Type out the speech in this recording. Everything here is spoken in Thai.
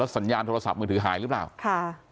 สัญญาณโทรศัพท์มือถือหายหรือเปล่าค่ะ